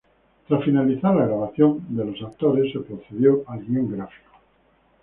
Tras finalizar la grabación de los actores, se procedió al guion gráfico.